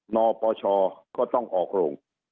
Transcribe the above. นปชก็ต้องออกโรง